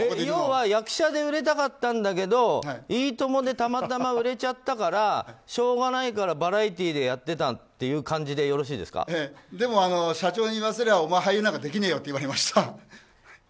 要は役者で売れたかったんだけど「いいとも！」でたまたま売れちゃったからしょうがないからバラエティーでやってたという感じででも社長に言わせればお前は俳優なんてできねえよって言われました。